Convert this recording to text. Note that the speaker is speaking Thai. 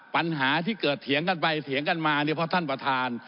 ปัญหาที่เกิดเถียงกันไปเถียงกันมาเนี่ยเพราะท่านประธาน